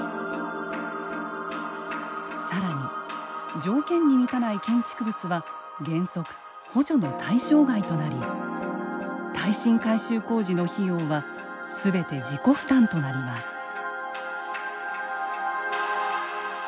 さらに条件に満たない建築物は原則補助の対象外となり耐震改修工事の費用はすべて自己負担となります。